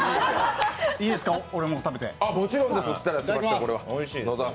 いいですか、食べて。